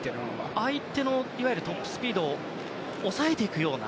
相手のトップスピードを抑えていくような。